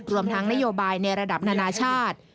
รวมทั้งนโยบายในระดับนานาชาติ